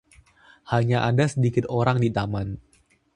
Hanya ada sedikit orang di taman.